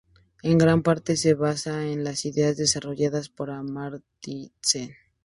En gran parte, se basa en las ideas desarrolladas por Amartya Sen.